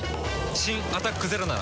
新「アタックＺＥＲＯ」なら。